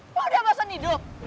kau udah basah nidok